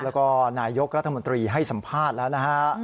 แล้วก็นายกรัฐมนตรีให้สัมภาษณ์แล้วนะฮะ